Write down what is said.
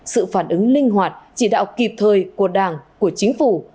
sự phản ứng linh hoạt chỉ đạo kịp thời của đảng của chính phủ